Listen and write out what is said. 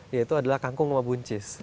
yaitu adalah kangkung sama buncis